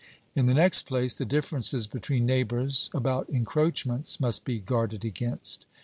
In the next place, the differences between neighbours about encroachments must be guarded against.